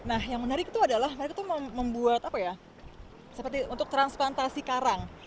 nah yang menarik itu adalah mereka membuat seperti untuk transplantasi karang